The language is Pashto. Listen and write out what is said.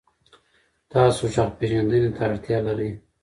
تاسو غږ پېژندنې ته اړتیا لرئ.